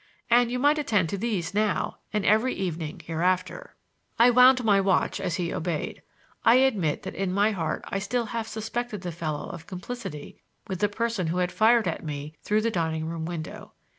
And you might attend to these now, —and every evening hereafter." I wound my watch as he obeyed. I admit that in my heart I still half suspected the fellow of complicity with the person who had fired at me through the dining room window.